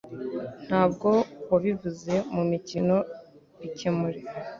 ntabwo wabivuze mumikino bikemure